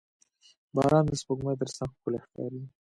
• باران د سپوږمۍ تر څنګ ښکلی ښکاري.